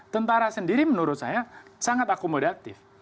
tentara sendiri menurut saya sangat akomodatif